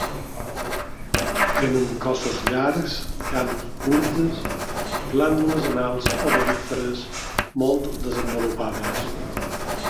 Tenen cossos llargs, cames curtes i glàndules anals odoríferes molt desenvolupades.